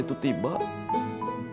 kita tidak bisa menangis